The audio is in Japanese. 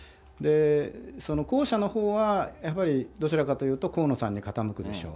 その後者のほうは、やっぱりどちらかというと河野さんに傾くでしょう。